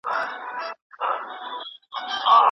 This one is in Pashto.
شمع ده چي مړه سي رڼا نه لري